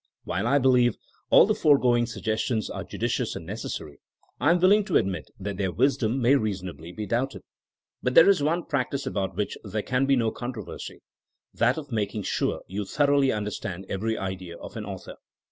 While I believe all the foregoing suggestions are judicious and necessary, I am willing to ad THINKING AS A SCIENCE 163 mit that their wisdom may reasonably be doubted. But there is one practice about which there can be no controversy — ^that of making sure you thoroughly understand every idea of an author.